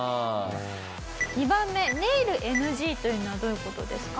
２番目「ネイルＮＧ」というのはどういう事ですか？